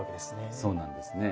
そうなんですね。